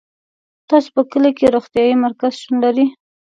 تاسو په کلي کي روغتيايي مرکز شتون لری